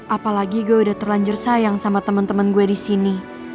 apalagi gue udah terlanjur sayang sama teman teman gue di sini